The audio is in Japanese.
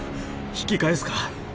引き返すか？